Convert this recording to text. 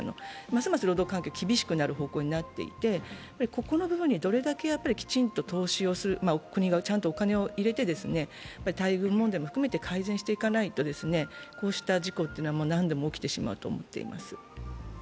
ますます労働環境が厳しくなる方向になっていて、ここの部分にどれだけきちんと投資をする、国がちゃんとお金を入れて待遇問題も含めて改善していかないと、こうした事故というのは、何度も起きてしまうと思っています。